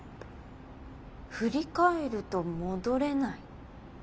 振り返ると戻れない。